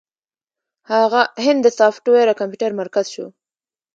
هند د سافټویر او کمپیوټر مرکز شو.